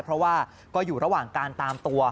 เพราะว่าก็อยู่ระหว่างการตามตัว